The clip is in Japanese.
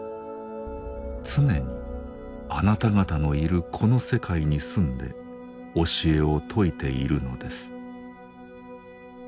常にあなた方のいるこの世界に住んで教えを説いているのです。